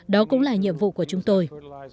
đó cũng là nhiệm vụ của chúng tôi